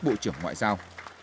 bộ trưởng ngoại giao